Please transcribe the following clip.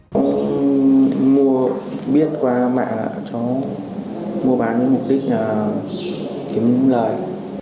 không mua biết qua mạng ạ cháu mua bán mục đích là kiếm lời